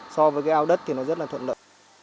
so với cái ao đất thì nó rất là thuận lợi